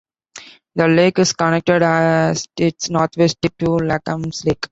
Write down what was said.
The lake is connected at its north-west tip to Lacamas Lake.